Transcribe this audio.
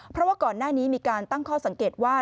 เพราะว่าก่อนหน้านี้มีการตั้งข้อสังเกตว่า